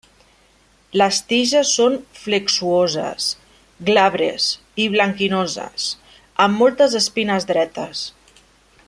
Les tiges són flexuoses, glabres i blanquinoses, amb moltes espines dretes.